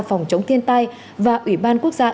phòng chống thiên tai và ủy ban quốc gia